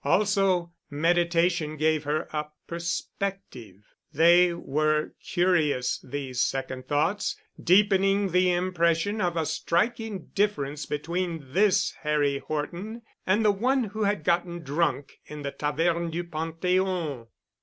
Also, meditation gave her a perspective. They were curious, these second thoughts, deepening the impression of a striking difference between this Harry Horton and the one who had gotten drunk in the Taverne du Pantheon.